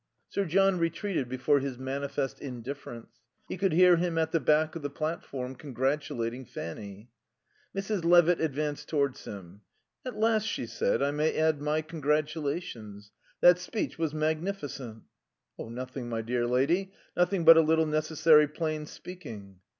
Sir John retreated before his manifest indifference. He could hear him at the back of the platform, congratulating Fanny. Mrs. Levitt advanced towards him. "At last," she said, "I may add my congratulations. That speech was magnificent." "Nothing, my dear lady, nothing but a little necessary plain speaking."